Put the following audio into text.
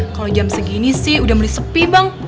kalau jam segini sih udah mulai sepi bang